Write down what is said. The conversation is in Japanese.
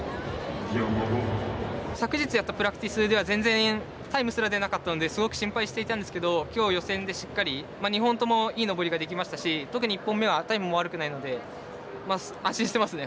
昨日やったプラクティスでは全然、タイムすら出なかったのですごく心配してたんですけど今日予選でしっかり、２本ともいい登りができましたし１本目はタイムも悪くないので安心してますね。